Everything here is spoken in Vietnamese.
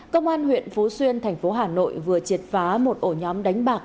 công an huyện phú xuyên thành phố hà nội vừa triệt phá một ổ nhóm đánh bạc